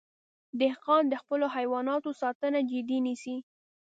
دهقان د خپلو حیواناتو ساتنه جدي نیسي.